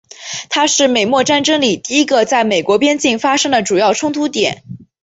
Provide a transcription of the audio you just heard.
它是美墨战争里第一个在美国边境发生的主要冲突点。